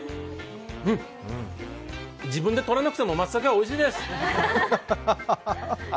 うん、自分でとらなくてもまつたけはおいしいです。